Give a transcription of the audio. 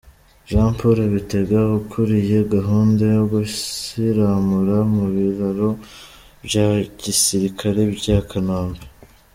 Jean Paul Bitega ukuriye gahunda yo gusiramura mu biraro bya Gisirikare bya Kanombe.